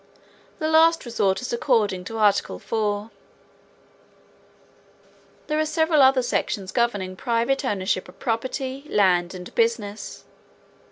The last resort is according to article four. There are several other sections governing private ownership of property, land and business.